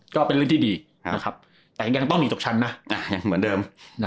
ก็เป็นเรื่องที่ดีนะครับแต่ยังต้องหนีตกชั้นนะยังเหมือนเดิม